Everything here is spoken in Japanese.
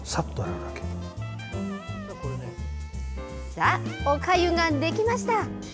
さあ、おかゆができました。